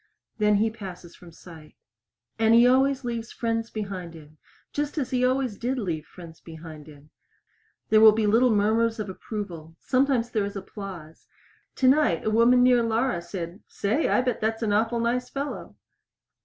Then he passes from sight. And he always leaves friends behind him just as he always did leave friends behind him. There will be little murmurs of approval; sometimes there is applause. Tonight a woman near Laura said, "Say, I bet that's an awful nice fellow."